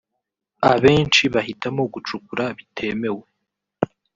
” Abenshi bahitamo gucukura bitemewe